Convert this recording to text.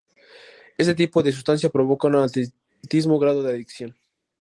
Este tipo de sustancia provoca un altísimo grado de adicción.